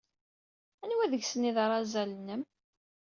Anwa deg-sen ay d arazal-nnem?